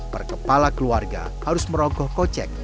perkepala keluarga harus merogoh kocek